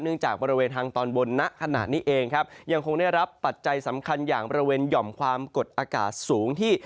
จากบริเวณทางตอนบนณขณะนี้เองครับยังคงได้รับปัจจัยสำคัญอย่างบริเวณหย่อมความกดอากาศสูงที่